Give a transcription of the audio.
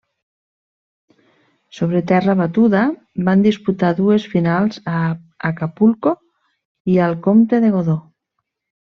Sobre terra batuda van disputar dues finals a Acapulco i al Comte de Godó.